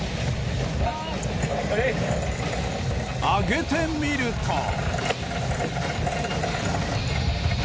あげてみると。